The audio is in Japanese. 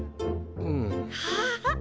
うん。ハハハ。